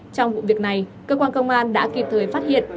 trong vụ việc này cơ quan công an đã kịp thời phát hiện